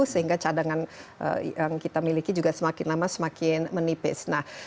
sehingga cadangan yang kita miliki juga semakin lama semakin menipis